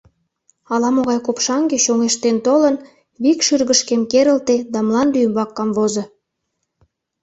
Ала-могай копшаҥге, чоҥештен толын, вик шӱргышкем керылте да мланде ӱмбак камвозо.